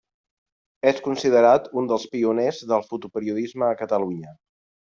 És considerat un dels pioners del fotoperiodisme a Catalunya.